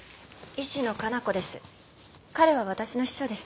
石野香奈子です。